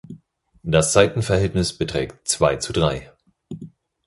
Das Seitenverhältnis beträgt zwei zu drei.